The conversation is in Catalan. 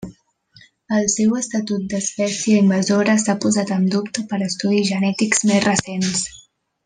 El seu estatut d'espècie invasora s'ha posat en dubte per estudis genètics més recents.